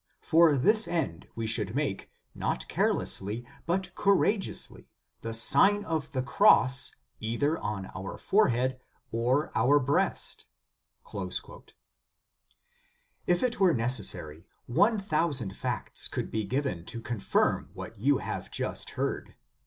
For this end, we should make, not carelessly, but courageously, the Sign of the Cross, either on our forehead or our breast."| If it were necessary, one thousand facts could be given to confirm what you have just heard.